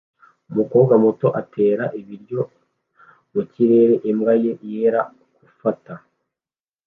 Umukobwa muto atera ibiryo mukirere imbwa ye yera gufata